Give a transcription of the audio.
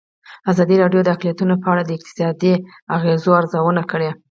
ازادي راډیو د اقلیتونه په اړه د اقتصادي اغېزو ارزونه کړې.